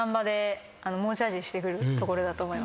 してくるところだと思います。